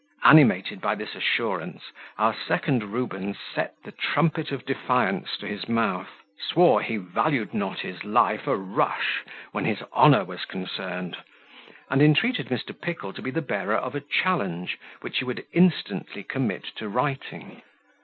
Animated by this assurance, our second Rubens set the trumpet of defiance to his mouth, swore he valued not his life a rush, when his honour was concerned, and entreated Mr. Pickle to be the bearer of a challenge, which he would instantly commit to writing.